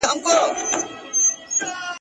ازل دښمن دی د مظلومانو !.